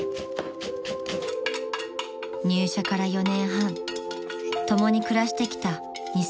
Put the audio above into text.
［入社から４年半共に暮らしてきた